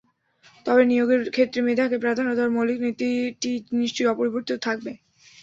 তবে নিয়োগের ক্ষেত্রে মেধাকে প্রাধান্য দেওয়ার মৌলিক নীতিটি নিশ্চয়ই অপরিবর্তিত থাকবে।